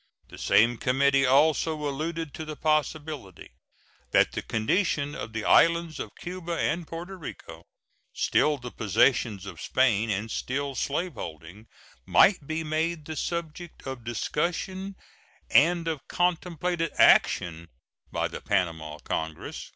The same committee also alluded to the possibility that the condition of the islands of Cuba and Porto Rico, still the possessions of Spain and still slaveholding, might be made the subject of discussion and of contemplated action by the Panama congress.